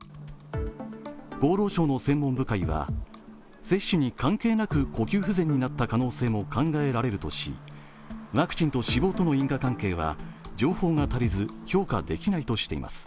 厚労省の専門部会は接種に関係なく呼吸不全になった可能性も考えられるとしワクチンと死亡との因果関係は情報足りず評価できないとしています。